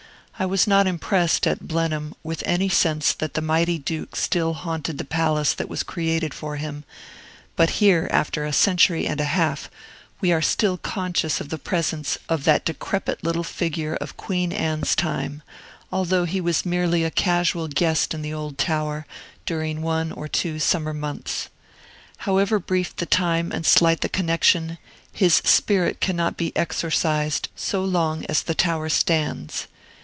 I was not impressed, at Blenheim, with any sense that the mighty Duke still haunted the palace that was created for him; but here, after a century and a half, we are still conscious of the presence of that decrepit little figure of Queen Anne's time, although he was merely a casual guest in the old tower, during one or two summer months. However brief the time and slight the connection, his spirit cannot be exorcised so long as the tower stands.